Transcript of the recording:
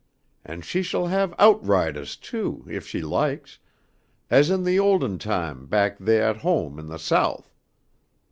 And she shall have outridahs, too, if she likes, as in the olden time back theah at home in the South.